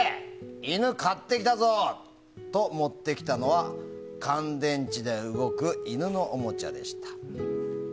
犬買ってきたぞ！と持ってきたのは乾電池で動く犬のおもちゃでした。